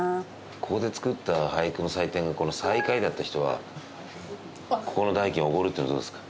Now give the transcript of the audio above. ここで作った俳句の採点が最下位だった人はここの代金おごるっていうのどうですか？